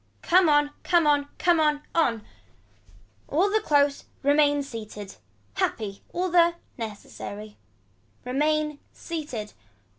Come on come on come on on. All the close. Remain seated. Happy. All the. Necessity. Remain seated.